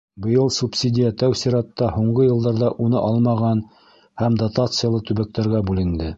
Быйыл субсидия тәү сиратта һуңғы йылдарҙа уны алмаған һәм дотациялы төбәктәргә бүленде.